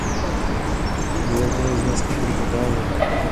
Dovolte mi vznést několik otázek.